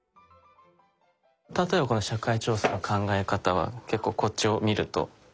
例えばこの「社会調査の考え方」は結構こっちを見るともう付箋ですね。